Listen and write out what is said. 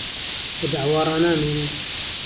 له دهعوا ڕانامێنن